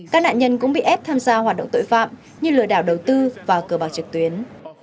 các nạn nhân cũng bị ép tham gia hoạt động tội phạm như lừa đảo đầu tư và cờ bạc trực tuyến